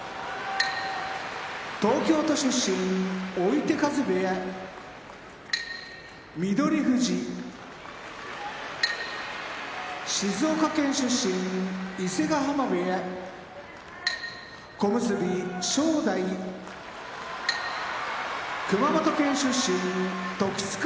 東京都出身追手風部屋翠富士静岡県出身伊勢ヶ濱部屋小結・正代熊本県出身時津風